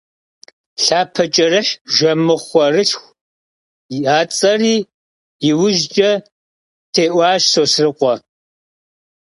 Lhapeç'erıxh - jjemıxhuerılhxu – a ts'eri yiujç'e tê'uç'aş Sosrıkhue.